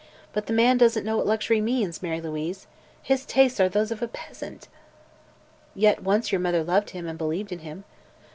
But the man doesn't know what luxury means, Mary Louise. His tastes are those of a peasant." "Yet once your mother loved him, and believed in him."